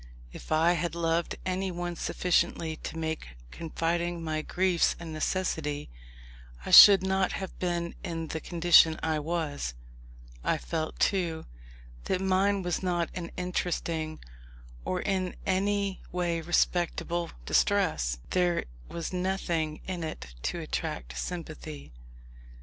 If I had loved anyone sufficiently to make confiding my griefs a necessity, I should not have been in the condition I was. I felt, too, that mine was not an interesting, or in any way respectable distress. There was nothing in it to attract sympathy.